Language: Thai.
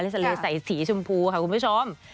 ทะเลใส่สีชมพูค่ะคุณผู้ชม